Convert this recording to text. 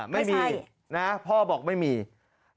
ไม่ใช่นะพ่อบอกไม่มีไม่ใช่